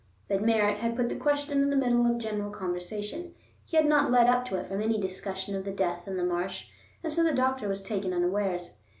But Merritt had put the question in the middle of general conversation; he had not led up to it from any discussion of the death in the marsh, and so the doctor was taken unawares.